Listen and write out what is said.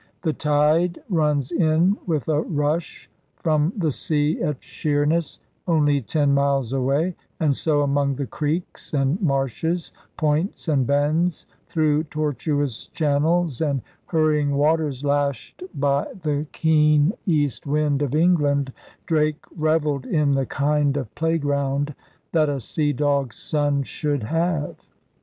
The tide runs in with a rush from the sea at Sheerness, only ten miles away; and so, among the creeks and marshes, points and bends, through tortuous channels and hurrying waters lashed by the keen DRAKE'S BEGINNING 97 east wind of England, Drake reveled in the kind of playground that a sea dog's son should have.